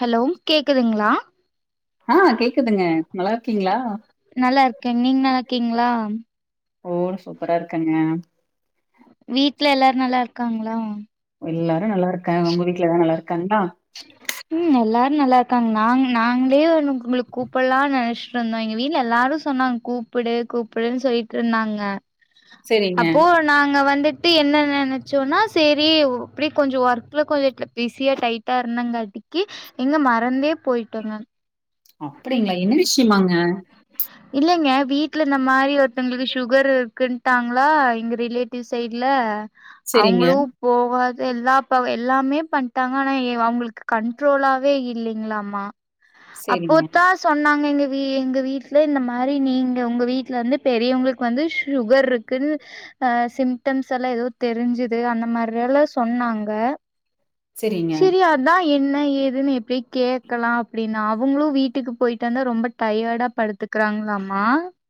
Hello கேக்குதுங்களா ஆ கேக்குதுங்க நல்லாருக்கீங்களா நல்லா இருக்க நீங்க நல்லார்க்கீங்களா ஓ சூப்பரா இருக்கேங்க வீட்ல எல்லாரும் நல்லாருக்காங்களா எல்லாரும் நல்லா இருக்காங்க உங்க வீட்ல எல்லா நல்லார்க்காங்களா ம் எல்லாரும் நல்லா இருக்காங்க நாங் நாங்களே ம் உங்களுக்கு கூப்படலாம் நினைச் இருந்தோம் எங்க வீட்ல எல்லாரும் சொன்னாங்க கூப்புடு கூப்புடுன்னு சொல்லிட்டு இருந்தாங்க சரிங்க. அப்போ நாங்க வந்துட்டு என்ன நினைச்சோம்ன்னா சரி இப்டி கொஞ்சம் ஒர்க் அடுப்புல கொஞ்சம் பிஸியா டைட்டா இருந்தங்காட்டிக்கு எங்க மறந்தே போய்ட்டேங்க அப்டிங்களா என்ன விஷயமாங்க இல்லைங்க வீட்ல இந்த மாரி ஒருத்தவங்களுக்கு சுகர் இருக்குட்டாங்களா எங்க ரிலேட்டிவ் சைட்ல சரிங்க, அவுங்களும் போகாதெல்லாம் இப்ப எல்லாமே பண்ட்டாங்க ஆனா அவங்களுக்கு கண்ட்ரோலாவே இல்லைங்களாமா அப்போ சரிங்க, தா சொன்னாங்க எங்க வீ எங்க வீட்ல இந்த மாரி நீங்க உங்க வீட்ல வந்து பெரியவங்களுக்கு வந்து சுகர் இருக் இர்க்கு ஆ சிம்டம்ஸ் எல்லா ஏதோ தெரிஞ்சுது அந்தமாரி எல்லா சொன்னாங் க சரிங்க, செரி அ அதுதா என்ன ஏதுன்னு எப்டி கேக்லா அப்டின்னா அவுங்களு வீட்டுக்கு போயிட்டு வந்தா ரொம்ப டயார்ட படுத்து க்கறாங்ளாமா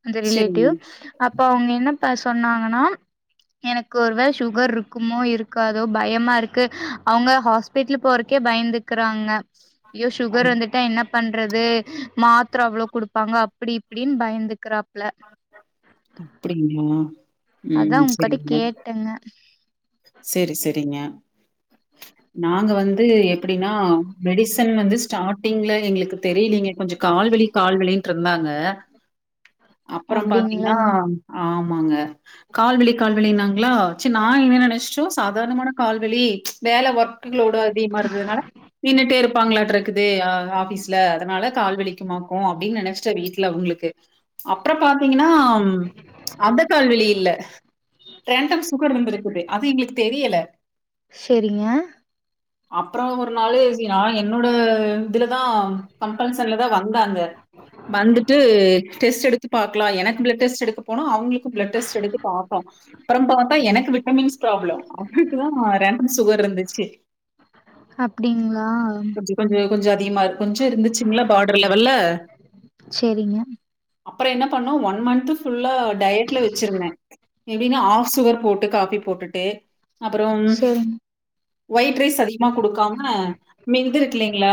அந்த சரிங்க. ரிலேட்டிவ் அப்ப அவுங்க என்னப்ப சொன்னாங்கனா எனக் ஒருவேள சுகர்ருக்குமோ இருக்காதோ பயமாருக் கு அவுங்க ஹாஸ்பிட்லு போறக்கே பயந்துக்றாங்க ஐயோ அப் சுகர் வந்துட்டா என்ன பண்றது மாத்தர அவ்ளோ குடுப்பாங்க அப்டி இப்டின் பயந்துக்றாப்ல அப்டிங்ளா ம் செரிங் மேம் ங்க செரி செரிங்க நாங்க வந்து எப்டினா மெடிசன் வந்து ஸ்டாட்டிங்ல எங்களுக் தெரிலீங்க கொஞ்ச கால்வலி கால்வலின்ட்ருந்தாங்க அப்பறம் அப்டிங்களா பாத்தீங்ன்னா ஆமாங்க கால்வலி கால்வலின்னாங்ளா சேர் நா என்ன நெனஸ்ட்டோ சாதாரணமான கால்வலி வேல ஒர்க்குலோடு அதிக்மா இருந்ததுனால நின்னுட்டே இருப்பாங்களாட்ருக்குது அ ஆஃபீஸ் ல அதனால கால்வலிக்குமாக்கு அப்டின் நெனஸ்ட்டே வீட்ல அவுங்ளுக்கு அப்றோ பாத் தீங்கன்னா அந்த கால்வலியில்ல ரேண்டம் சுகர் வந்துருக்குது அது எங்ளுக்கு தெரியல செரிங்க அப்றோ ஒரு நாளு இது நா என்னோட இதுலதா கம்பல்சன்லதா வந்தாங்க வந்துட்டு டெஸ்ட்டு எடுத்து பாக்கலா எனக்கு ப்ளட் டெஸ்ட்டு எடுக்கப்போனோ அவுங்ளுக்கு ப்ளட் டெஸ்ட்டு எடுத்து பாத்தோ அப்றோ பாத்தா எனக்கு விட்டமின்ஸ் ப்ராப்ளோ அவுங்ளுக்குதா ரேண்டம் சுகர்ருந்துச்சு அப்டீங்ளா கொஞ்சோ கொஞ்சோ அதிகமா இருக் கொஞ்சோ இருந்துச்சுங்ளா பாடர் லெவல்ல செரிங்க அப்றோ என்ன பண்ணோ ஒன் மன்த்து ஃபுல்லா டயட்ல வெச்சிருந்தே எப்டினா ஆஃப் சுகர் போட்டு காஃபி போட்டுட்டு அப்பறோம் செரிங் ஒய்ட் ரைஸ் அதிகமா குடுக்காம மிந்திருக்குல்லைங்ளா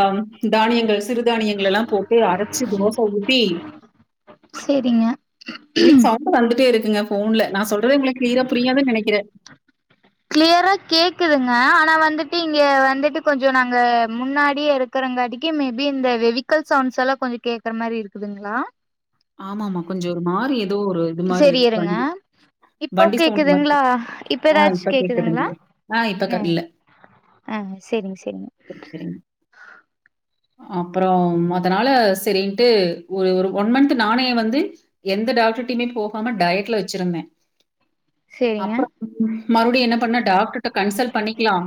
தானியங்கள் சிறுதானியங்கள் எல்லா போட்டு அரச்சு தோச ஊத்தி செரிங்க எனக்கு சவுண்டு வந்துட்டே இருக்குங்க ஃபோன்ல நா சொல்றது உங்களுக் க்ளியரா புரியாதுன் நெனக்கிறே க்ளியரா கேக்குதுங்க ஆனா வந்துட்டு இங்க வந்துட்டு கொஞ்சோ நாங்க முன்னாடியே இரு க்கறங்காட்டிக்கு மேபி இந்த வெவிக்கல் சவுண்ட்ஸ் எல்லா கொஞ்சோ கேக்ற மாரி இருக்குதுங்ளா ஆமாமா கொஞ்சோ ஒருமாரி எதோ ஒரு இது மாரி செரி இருக்கு. இருங்க வண்டி இப்போ வண்டி சவுண்ட் மாரி கேக்குதுங்ளா கேக் இப்போ ஆ எதாச் இப்ப கேக்குதுங்ளா கேட்குதுங்க. ஆ இப்ப க ம் இல்ல. ஆ செரிங் செரிங்க அப்றோ அதனால செரின்ட்டு ஒரு ஒரு ஒன் மன்த் து நானே வந்து எந்த டாக்டர்டியுமே போகாம டயட்ல வெச்சிருந்தே செரிங்க. அப்றோ மறுபடியு என்ன பண்ண டாக்டர்ட்ட கன்சல்ட் பண்ணிக்கலா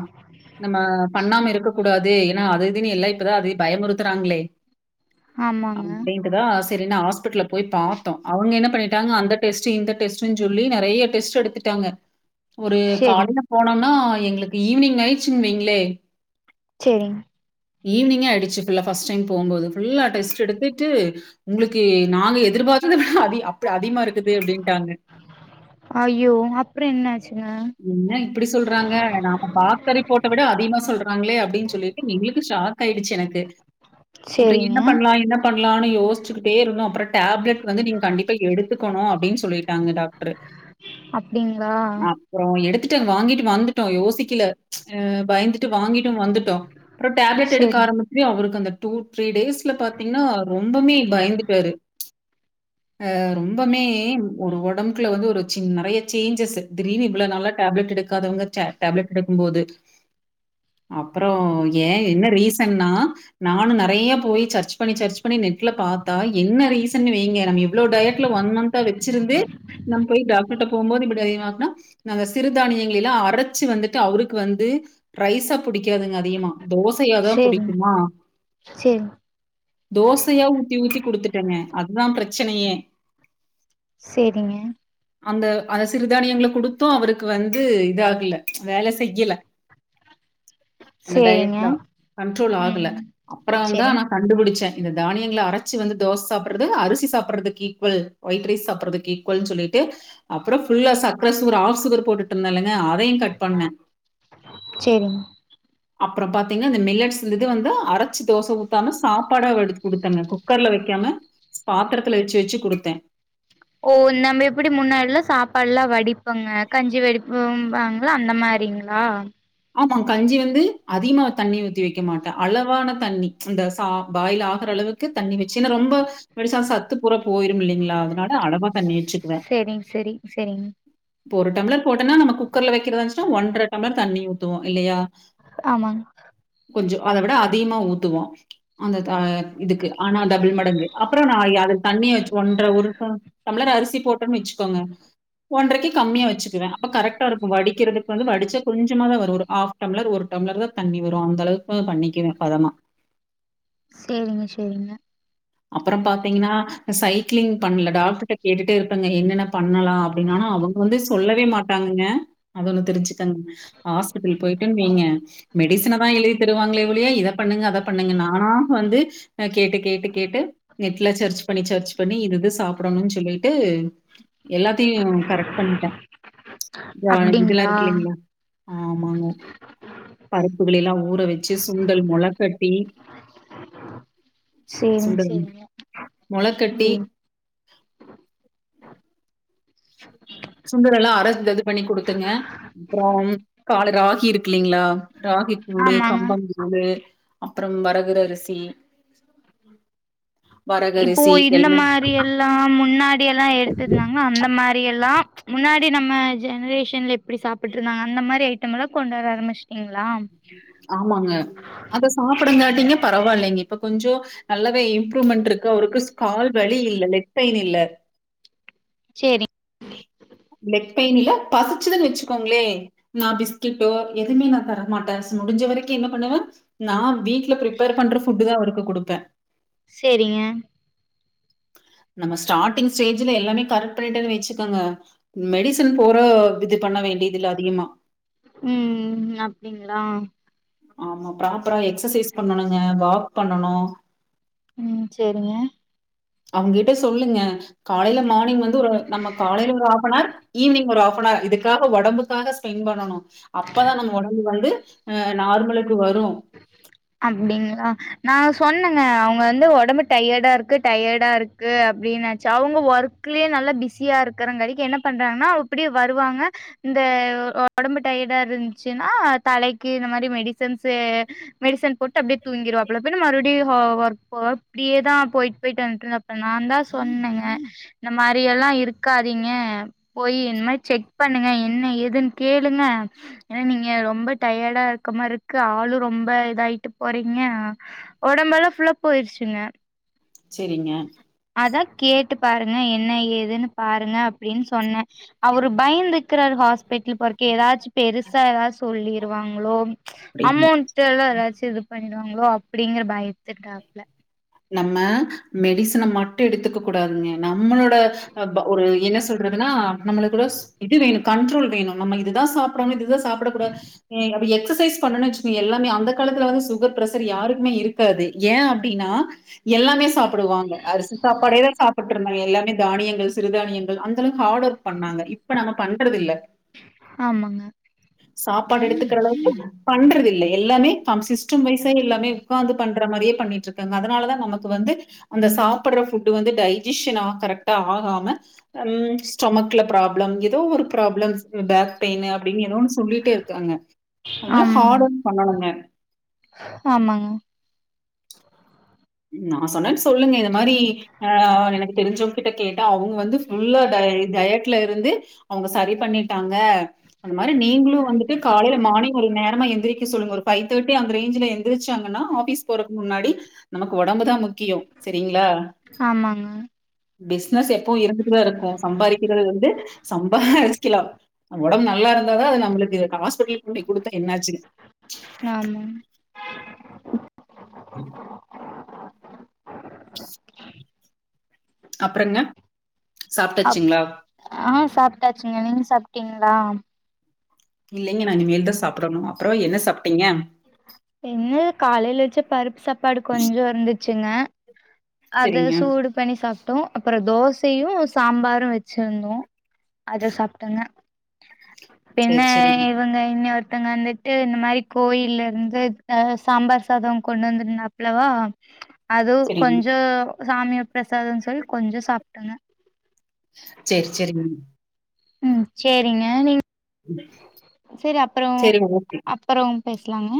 நம்ம பண்ணாம இருக்கக் கூடாது ஏனா அது இதுனு எல்லா இப்பதா அது பயமுறுத்துறாங்ளே ஆமாங்க. அப்டின்ட்டுதா செரினு ஹாஸ் பிட்லுக் போய் பாத்தோ அவுங்க என்ன பண்ணிட்டாங்க அந்த டெஸ்ட்டு இந்த டெஸ்ட்டுன் சொல்லி நெறய டெஸ்ட் எடுத்துட்டாங்க ஒரு செரிங் காலைல போனம்னா எங்ளுக்கு ஈவ்னிங் ஆயிர்ச்சுன்வெய்ங்ளே செரிங் ஈவ்னிங்கே ஆய்டுச்சு ஃபுல்லா ஃபஸ்ட்டு டைம் போம்போது ஃபுல்லா டெஸ்ட் எடுத்துட்டு உங்ளுக்கு நாங்க எதிர்பார்த்ததவிட அதி அப்ப அதிகமாயிருக்குது அப்டின்ட்டாங்க அயோ அப்றோ என்னாச்சுங்க என்ன இப்டி சொல்றாங்க நாம பாத்த ரிப்போட்ட விட அதிகமா சொல்றாங்களே அப்டின் சொல்லிட்டு எங்களுக்கு சாக் ஆயிடுச்சு எனக்கு அப்றோ செரிங்க. என்ன பண்ணலா என்னப் பண்ணலானு யோசிச்சுக்கிட்டே இருந்தோ அப்றோ டேப்லெட் வந்து நீங்க கண்டிப்ப எடுத்துக்கணு அப்டினு சொல்லிட்டாங்க டாக் ட்ரு அப்டிங்களா? அப்றோ எடுத்துட்டே வாங்கிட்டு வந்து ட்டோ யோசிக்கல பயந்துட்டு வாங்கிட்டு வந்துட்டோ அப்றோ டேப்லெட் எடுக்க செரி ஆரம் சு அவருக்கு அந்த டூ த்ரீ டேஸ்ல பாத்தீங்னா ரொம்பமே பயந்துட்டாரு அ ரொம்பமே ஒரு ஒடம்புக்குல வந்து ஒரு சின் நெறைய சேஞ்சஸ்சு திடீர்னு இவளோ நாளா டேப்லட் எடுக்காதவங்க டே டேப்லட் எடுக்கும்போது அப்றோ ஏ என்ன ரீசன்னா நானு நெறைய போய் சர்ச் பண்ணி சர்ச் பண்ணி நெட்ல பாத்தா என்ன ரீசன் வைங்க நம்ம இவ்ளோ டயட்ல ஒன் மன்த் தா வச்சிருந்து நம்ம போய் டாக்டர்ட்ட போம்போது இப்படி அதிகமானா நாங்க சிறுதானியங்களலா அரைச்சு வந்துட்டு அவுருக்கு வந்து ரைஸா புடிக்காதுங்க அதிகமா தோ சயாதா செரிங் புடிக்குமா செரி தோசையா ஊத்தி ஊத்தி குடுத்துட்டேங்க அதா பிரச்சனையே சேரிங்க அந்த அ சிறுதானியங்கள குடுத் து அவருக்கு வந்து இதாகல வேல செய்யல அந்த செரிங்க. டயட்ல கன்ட்ரோல் ஆகல ம். அப்றோந்தா செரிங் கண்டுபுடிச்சே இந்த தானியங்கள அரைச்சு வந்து தோசை சாப்பறது அரிசி சாப்பர்றதுக்கு ஈக்வல் ஒயிட் ரைஸ் சாப்பறதுக்கு ஈக்வல் சொல்லிட்டு அப்றோ ஃபுல்லா சக்ர சுகர் ஆஃப் சுகர் போட்டுட்டு இருந்தேல்லங்க அதையு கட் பண்ணே செரிங். அப்பறம் பாத்தீங்னா இந்த மில்லட்ஸ் இது வந்து அரைச்சு தோசை ஊத்தாம சாப்பாடா வடுத்து குடுத்தேங்க குக்கர்ல வெக்காம பாத்தரத்துல வச்சு வச்சு குடுத்தே ஓ நம்ம எப்டி முன்னாடிலா சாப்பாட்ல்லா வடிப்பங்க கஞ்சி வடிப்பும்பாங்ள அந்த மாரிங் ளா ஆமா கஞ்சி வந்து அதிகமா தண்ணி ஊத்தி வக்க மாட்டே அளவான தண்ணி இந்த சா பாயில் ஆகுற அளவு க்கு தண்ணி வச்சு இன்ன ரொம்ப வடிசா சத்து பூறா போயிரும் இல்லைங்ளா அதனா ல அளவா தண்ணி வச்சுக்குவே செரிங் செரி செரிங் இப்ப ஒரு டம்ளர் போட்டன்னா நம்ம குக்கர்ல வக்கிறதாச்சுனா ஒன்ற டம்ளர் தண்ணி ஊத்துவோ இல்லையா ஆமாங் கொஞ்சோ அத விட அதிகமா ஊத்துவோ அந்த த இதுக்கு ஆனா டபிள் மடங்கு அப்றோ நா அயி அத தண்ணி வச் ஒன்ற ஒரு சா டம்ளர் அரிசி போட்டோன் வச்சுக்கோங்க ஒன்ரைக்கு கம்மியா வச்சுக்குவே அப்ப கரெக்டா இருக்கு வடிக்கிறதுக்கு வந்து வடிச்சா கொஞ்சமா தா வ ரு ஹாஃப் டம்ளர் ஒரு டம்ளர் தா தண்ணி வரு அந்த அளவுக்கு பண்ணிக்குவே பதமா சேரிங்க சேரிங்க அப்பறம் பாத்தீங்ன்னா சைக்ளிங் பண்ல டாக்டர்கிட்ட கேட்டுட்டு இரு ப்பங்க என்னென்ன பண்ணலா அப்டினு ஆனா அவுங்க வந்து சொல்லவே மாட்டாங்கங்க அது ஒண்ணு தெரிஞ்சுக்கங்க ஆஸ்பெட்டல் போய்டோன் வைங்க மெடிசனதாஎழுதி தருவாங்களே ஒழிய இத பண்ணுங்க அத பண்ணுங்க நானா வந்து கேட்டு கேட்டு கேட்டு நெட்ல சர்ச் பண்ணி சர்ச் பண்ணி இதுஇது சாப்டணுன் சொல்லிட்டு எல்லாத்தையு கரெக்ட் பண்ட்டே ஒன் இதெல்லா அப்டிங்களா இருக் இல்லைங்ளா ஆமாங்க பருப்புகளைலா ஊற வச்சி சுண்டல் மொழ கட்டி சேரிங்க சுண்டல் சேரிங்க மொளக்கட்டி, ம் சுண்டல் எல்லா அற இது பண்ணி குடுத்துங்க அப்ரோம் காலேல ராகி இருக் இல்லைங்ளா ராகி கூலு ஆமாங்க கம்பம் கூலு அப்ரோம் வரகுற அரிசி இப்போ வரகரிசி இந்த எல்லாம் மாறி எல்லா முன்னாடி எல்லா எடுத்துருந்தாங்க அந்த மாறி எல்லா முன்னா முன்னாடி நம்ம ஜெனரேஷன்ல இப்டி சாப்ட்டு இருந்தாங்க அந்த மாறி ஐட்டம்லா கொண்டு வர ஆரம்பிச்டீ ங்ளாம் ஆமாங்க அத சாப்புடங்காட்டிங்க பரவாயில்லங்க இப்ப கொஞ்சோ நல்லாவே இம் ரூமெண்ட் இருக்கு அவுருக்கு ஸ்கால் வலி இல்ல லெக் பெயின் இல்ல சேரி லெக் பெயின் இல்ல பசிச்சுதுன்னு வச்சி கோங்களே நா பிஸ்கட்டோ எதுமே நா தர மாட்ட முடிஞ்ச வரைக்கு என்ன பண்ணுவ நா வீட்ல பிரிப்பேர் பண்ற ஃபுட்டு தா அவருக்கு குடுப்ப சேரிங்க நம்ம ஸ்டார்டிங் ஸ்டேஜ்ல எல்லாமே கரெக்ட் பண்ணிட்ட வச்சிக்கோங்க மெடிசன் போற இது பண்ண வேண்டியதுல அதிகமா ம் அப்டிங்ளா ஆமா பிராப்பரா எக்சசைஸ் பண்ணணுங்க வாக் பண்ணனு ம் சேரிங்க அவ்ங்கிட்ட சொல்லுங்க காலேல மார்னிங் வந்து ஒரு நம்ம காலேல ஒரு ஹாப் நார் ஈவினிங் ஒரு ஆஃப் நார் இதுக்காக ஒடம்புக்காக ஸ்பென் பண்ணனு அப்பதா நம்ம ஒடம்பு வந்து அ நார்மலுக்கு வரு அப்டிங்ளா நா சொன்னங்க அவங்க வந்து ஒடம்பு டையடா இருக்கு டையடா இருக் கு அப்டின்னாச்சி அவுங்க ஒர்க்குலேயே நல்லா பிஸியா இருக்கிறங்காட்டி என்ன பண்றாங்கன்னா அப்பிடி வருவாங்க இந்த ஒடம்பு டயர்டா இருந்துச்சின்னா தலைக்கு இந்த மாரி மெடிசன்ஸ்சு மெடிசன் போட்டு அப்டியே தூங்கிடுவாப்ல அப்டியே மறுபடி ஒர்க் போ இப்டியே தா போயிட் போயிட்டு வந்துட் நா தா சொன்னங்க இந்த மாரி எல்லா இருக்காதீங்க போயி என்ன மாரி செக் பண்ணுங்க என்ன ஏதுன் கேளுங்க ஏனா நீங்க ரொம்ப டயர்டா இருக்க மாரி இருக்கு ஆளு ரொம்ப இதாயிட்டு போறீங்க ஒடம்பெல்லா புல்லா போயிருச்சுங்க செரிங்க அதா கேட்டு பாருங்க என்ன ஏதுன்னு பாருங்க அப்டின் சொன்ன அவரு பயந்து இக்கிறாரு ஹாஸ் பெட்டில் பார்க்கே ஏதாச்சு பெருசா ஏதாது சொல்லிருவாங்களோ அப்படின்னா. அமௌண்ட் தேல்ல ஏதாச்சி இது பண்ணிடுவாங்களோ அப்டிங்கிற பயத்து டாப்ல நம்ம மெடிசன மட் எடுத்துக்க கூடாதுங்க நம்மளோட அப்பா ஒரு என்ன சொல்றதுனா நம்மலுக்கு சு இது வேணு கண்ரோல் வேணு நம்ம இதுதா சாப்புடனு இதுதா சாப்புட கூடாது ஏ அப்ப எக்சசைஸ் பண்ணன்னு வச்சுக்கோயே எல்லாமே அந்த காலத்துல வந்து சுகர் பிரஷர் யாருக்குமே இருக்காது ஏ அப்டினா எல்லாமே சாப்புடுவாங்க அரிசி சாப்பாடே சாப்புட்டு இருந்தாங்க எல்லாமே தானியங்கள்ஸ் சிறுதானியங்கள் அந்தளவு ஹாடு ஒர்க் பண்ணாங்க இப்ப நம்ம பண்றது இல்ல ஆமாங்க சாப்பாடு எடுத்துக்கிற அளவுக்கு பண்றது இல்ல எல்லாமே ஃபம் சிஸ்டம் வைசே எல்லாமே உக்காந்து பண் ற மாரியே பண்ணிட்ருக்காங்க அதுனால தா நமக்கு வந்து அந்த சாப்ற ஃபுட்டு் வந்து டைஜிஷ்னா கரெக்ட்டா ஆகாம ம் ஸ்டொமக்ல ப்ராப்ளம் ஏதோ ஒரு ப்ராப்ளம்ஸ் பேக் பெயின்னு அப்டின்னு ஏதோ ஒன்னு சொல்லிட்டே இருக்காங்க அதுனால ஆம் ஹாடு ஒர்க் பண்ணனுங்க ஆமாங்க நா சொன்ன சொல்லுங்க இது மாரி ஆ எனக்கு தெரிஞ்சவங்க கிட்ட கேட்டா அவங்க வந்து ஃபுல்லா டயட்ல இருந்து அவுங்க சரி பண்ணிட்டாங்க அந்த மாரி நீங்களு வந்துட்டு காலைல மார்னிங் ஒரு நேரமா எந்திரிக்க சொல்லுங்க ஒரு ஃபைவ் தேட்டி அந்த ரேஞ்ல எந் எந்துருச்சாங்கன்னா ஆஃபீஸ் போறக்கு முன்னாடி நமக்கு ஒடம்பு தா முக்கியோ சரிங்களா ஆமாங்க பிசினஸ் எப்பவு இருந்துட்டு தா இருக்கு சம்பாரிக்கிறது வந்து சம்பாரிக்கலா ஒடம்பு நல்லா இருந்தாதா அது நம்மளுக்கு ஹாஸ்பிடல் கூடி குடுத்தா என்னாச்சுங் ஆமாங் அப்றங்க அப் சாப்டாச்சுங்ளா ஆ சாப்டாச்சுங்க நீங்க சாப்ட்டீங்ளா இல்லங்க நா இனிமேல் தா சாப்டணு அப்றோ என்ன சாப்டீங்க என்னது காலையில வச்ச பருப்பு சாப்பாடு கொஞ்சோ இருந்துச்சுங்க அத சரிங்க. சூடு பண்ணி சாப்ட்டோ அப்றோ தோசயு சாம்பாரு வச்சிருந்தோ அத சாப்ட்டோங்க பின்ன சரி, சரி. இவங்க இனி ஒருத்தவங்க வந்துட்டு இந்த மாரி கோயி ல இருந்து த சாம்பார் சாதோ கொண்டு வந்து இருந்தாப்புளவா அதுவு சரிங்க. கொஞ்சோ சாமி பிரசாதன் சொல்லி கொஞ்சோ சாப்டாங்க செரி செரிங் ம் செரிங்க நீங் சரி அப்புறோ அப் சரிங்க. அப்புறோ பேசலாங்க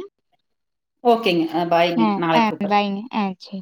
ஓகேங்க பாய்ங்க நாளைக்கு கூப்புற இ அ செரி